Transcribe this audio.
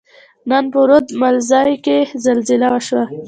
نن په رود ملازۍ کښي زلزله وشوه.